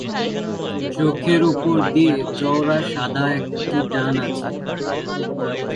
চোখের ওপর দিয়ে চওড়া সাদা একটি টান আছে।